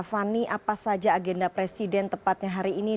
fani apa saja agenda presiden tepatnya hari ini